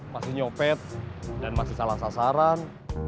masih nyopet dan masih salah sasaran